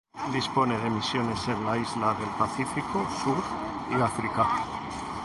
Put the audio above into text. Dispone de misiones en las islas del Pacífico Sur y África.